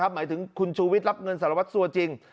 หมายถึงคุณชูวิทย์รับเงินสารวัตรสัวจริง